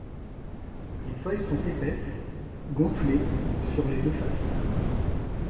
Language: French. Les feuilles sont épaisses, gonflées sur les deux faces.